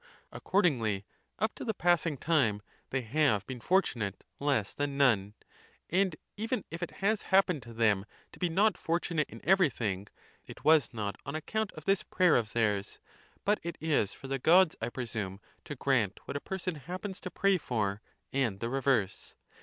Accord ingly, up to the passing time, they have been fortunate less than none. Andevenif it has happened to them to be not fortunate in every thing, it was not on account of this prayer of theirs; but it is for the gods, I presume, to grant what a person happens to pray for, and the reverse.